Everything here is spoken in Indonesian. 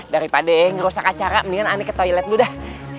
daripada ngerusak acara mendingan aneh ke toilet dulu dah